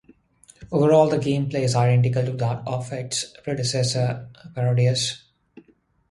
Overall, the gameplay is identical to that of its predecessor, Parodius!